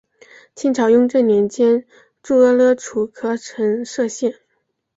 清朝雍正年间筑阿勒楚喀城设县。